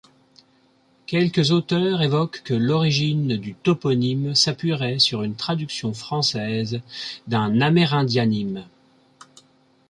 Quelques auteurs évoquent que l'origine du toponyme s'appuierait sur une traduction française d'un amérindianyme.